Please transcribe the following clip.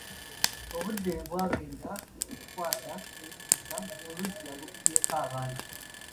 Obudde bwagenda okukwata enzikiza ng'oluggya lukubyeko abantu.